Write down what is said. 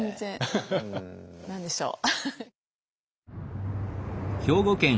何でしょう？